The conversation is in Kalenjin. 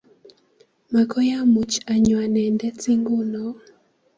Makoy amuch anyo anendet inguno.